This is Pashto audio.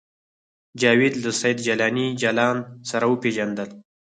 جاوید له سید جلاني جلان سره وپېژندل